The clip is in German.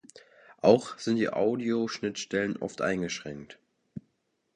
Auch sind die Audio-Schnittstellen oft eingeschränkt.